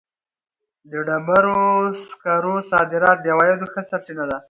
د ډبرو سکرو صادرات د عوایدو ښه سرچینه ده.